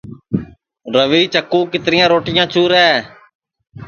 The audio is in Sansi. روی چکُو کیتریا روٹیاں چُورے